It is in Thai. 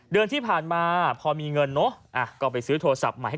เดือนที่ผ่านมาพอมีเงินก็ซื้อโทรศัพท์ใหม่